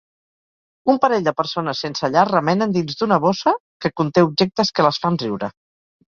Un parell de persones sense llar remenen dins d'una bossa que conté objectes que les fan riure.